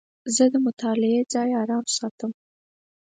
زه د مطالعې ځای آرام ساتم.